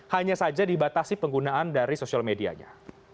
hanya saja dibatasi penggunaan dari sosial medianya